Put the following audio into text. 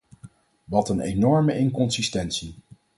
Wat een enorme inconsistentie.